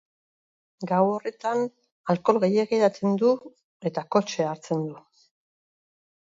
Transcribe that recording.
Gau horretan, alkohol gehiegi edaten du, eta kotxea hartzen du.